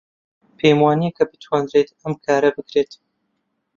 پێم وانییە کە بتوانرێت ئەم کارە بکرێت.